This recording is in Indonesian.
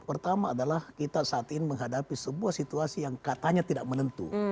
pertama adalah kita saat ini menghadapi sebuah situasi yang katanya tidak menentu